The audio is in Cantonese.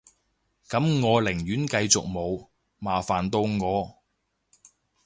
噉我寧願繼續冇，麻煩到我